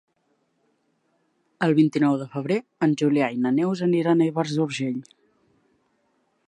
El vint-i-nou de febrer en Julià i na Neus aniran a Ivars d'Urgell.